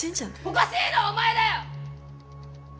おかしいのはお前だよ！